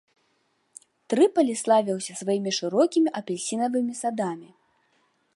Трыпалі славіўся сваімі шырокімі апельсінавымі садамі.